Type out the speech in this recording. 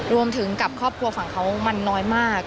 กับครอบครัวฝั่งเขามันน้อยมาก